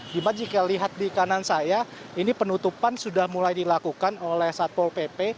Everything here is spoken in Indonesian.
dimana jika lihat di kanan saya ini penutupan sudah mulai dilakukan oleh satpol pp